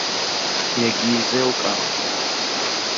Иагьизеилкаауам!